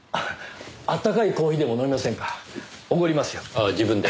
ああ自分で。